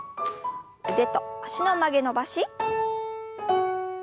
腕と脚の曲げ伸ばし。